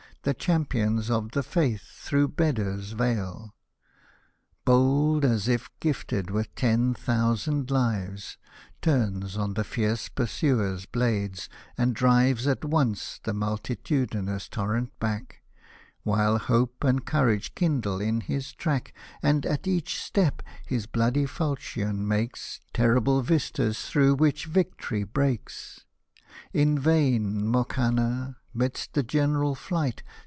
The Champions of the Faith through Beder'S vale,) Bold as if gifted with ten thousand lives, Turns on the fierce pursuer's blades, and drives At once the multitudinous torrent back — While hope and courage kindle in his track ; And, at each step, his bloody falchion makes Terrible vistas through which victory breaks ! In vain MOKANNA, midst the general flight.